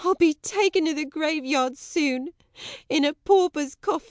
_] I'll be taken to the graveyard soon, in a pauper's coffin!